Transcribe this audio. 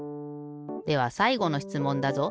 ではさいごのしつもんだぞ。